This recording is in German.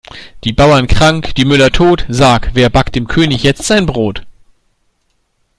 Die Bauern krank, die Müller tot, sagt wer backt dem König jetzt sein Brot?